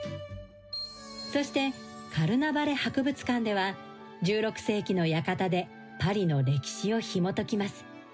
そしてカルナヴァレ博物館では１６世紀の館でパリの歴史をひも解きます。